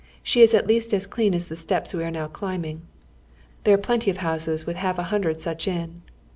She is at least as clean as the steps we are now climbing. There are plenty of houses witli half a hundred such in.